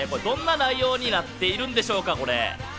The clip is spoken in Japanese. どんな内容になっているんでしょうか？